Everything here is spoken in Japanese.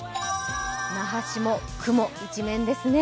那覇市も雲一面ですね。